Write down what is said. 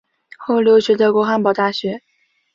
后留学德国汉堡大学。